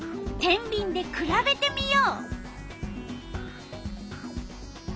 てんびんでくらべてみよう！